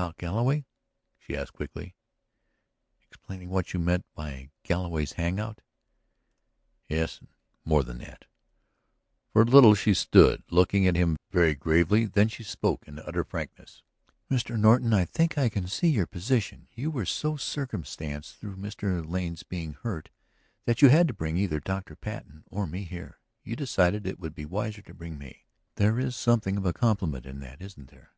"About Galloway?" she asked quickly. "Explaining what you meant by Galloway's hang out?" "Yes. And more than that." For a little she stood, looking at him very gravely. Then she spoke in utter frankness. "Mr. Norton, I think that I can see your position; you were so circumstanced through Mr. Lane's being hurt that you had to bring either Dr. Patten or me here. You decided it would be wiser to bring me. There is something of a compliment in that, isn't there?"